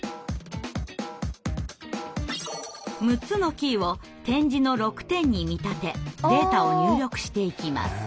６つのキーを点字の６点に見立てデータを入力していきます。